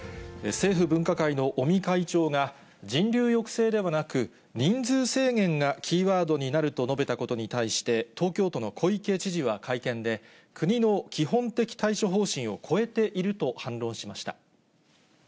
政府分科会の尾身会長が、人流抑制ではなく、人数制限がキーワードになると述べたことに対して、東京都の小池知事は会見で、国の基本的対処方針を超えていると反論しました。